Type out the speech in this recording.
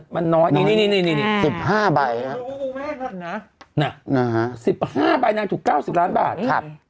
มันน้อยนี่๑๕ใบ๑๕ใบนางถูก๙๐ล้านบาท